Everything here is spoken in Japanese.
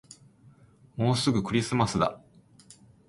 もうすぐクリスマスだ